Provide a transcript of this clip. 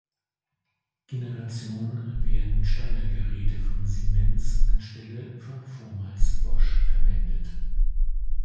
Generation werden Steuergeräte von Siemens anstelle von vormals Bosch verwendet.